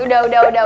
udah udah udah